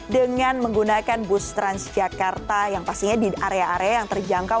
dengan menggunakan bus transjakarta yang pastinya di area area yang terjangkau